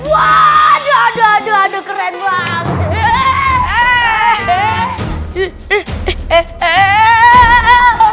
waduh aduh aduh aduh keren banget